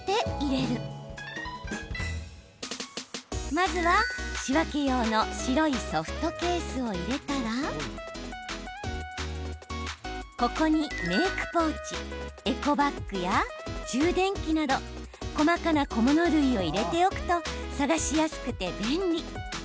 まずは、仕分け用の白いソフトケースを入れたらここに、メークポーチエコバッグや充電器など細かな小物類を入れておくと探しやすくて便利。